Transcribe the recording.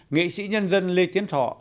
nghệ sĩ nhân dân lê tiến thọ